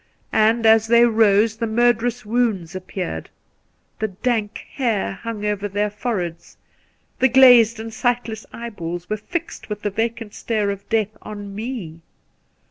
And as they rose the murderous wounds appeared. The dank hair hung over their foreheads ; the^ glazed and sightless eyeballs were fixed with the vacant stare of death on me.